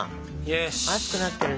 熱くなってる。